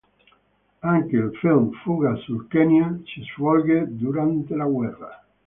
Anche il film "Fuga sul Kenya" si svolge durante la Guerra.